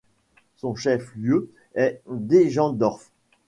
Son chef lieu est Deggendorf.